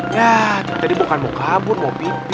ya jadi bukan mau kabur mau pipis